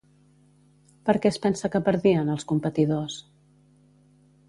Per què es pensa que perdien, els competidors?